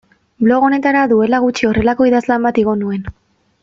Blog honetara duela gutxi horrelako idazlan bat igo nuen.